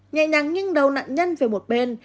nhẹ nhàng nghiêng đầu nạn nhân về một bên